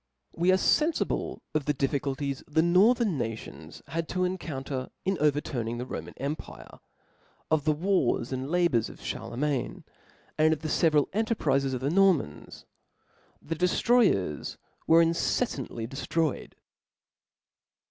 We are fenfible of the difficulties the northern nations had to en counter in overturning the Roman empire 5 of the wars, and labours of Charlemain ; and of th^ fevipral enterprizes of the Norman?. The deftroy ers were inceflantly deftroyed.